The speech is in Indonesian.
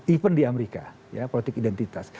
even di amerika ya politik identitas